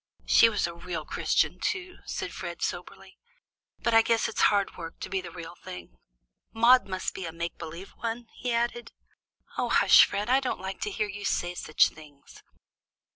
"She was a real Christian, too," said Fred soberly. "But I guess it's hard work to be the real thing. Maude must be a make believe one," he added. "Oh, hush, Fred! I don't like to hear you say such things."